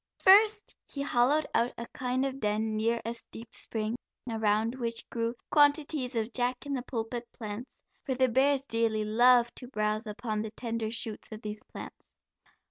First he hollowed out a kind of den near a deep spring, around which grew quantities of jack in the pulpit plants, for the bears dearly love to browse upon the tender shoots of these plants.